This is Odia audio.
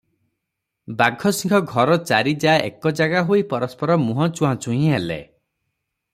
ବାଘସିଂହ ଘର ଚାରି ଯାଆ ଏକ ଜାଗାହୋଇ ପରସ୍ପର ମୁହଁ ଚୁହାଁଚୁହିଁ ହେଲେ ।